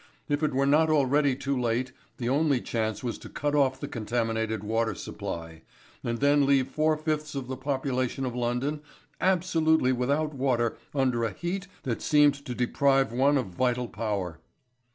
If it were not already too late, the only chance was to cut off the contaminated water supply, and then leave four fifths of the population of London absolutely without water under a heat that seemed to deprive one of vital power.